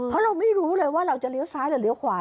เพราะเราไม่รู้เลยว่าเราจะเลี้ยวซ้ายหรือเลี้ยวขวา